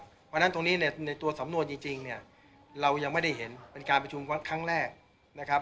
เพราะฉะนั้นตรงนี้เนี่ยในตัวสำนวนจริงเนี่ยเรายังไม่ได้เห็นเป็นการประชุมครั้งแรกนะครับ